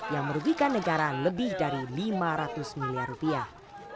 yang merugikan negara lebih dari lima ratus miliar rupiah